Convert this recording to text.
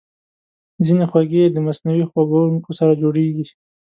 ځینې خوږې د مصنوعي خوږونکو سره جوړېږي.